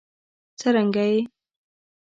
څرنګه یې؟